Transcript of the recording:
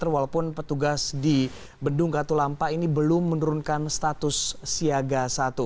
walaupun petugas di bendung katulampa ini belum menurunkan status siaga satu